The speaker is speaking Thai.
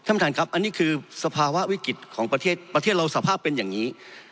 ประธานครับอันนี้คือสภาวะวิกฤตของประเทศประเทศเราสภาพเป็นอย่างนี้